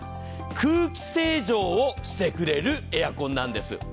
空気清浄をしてくれるエアコンなんです。